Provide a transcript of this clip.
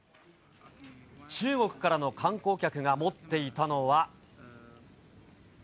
中国からの観光客が持っていたのは。